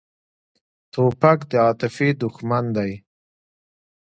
توپک د عاطفې دښمن دی.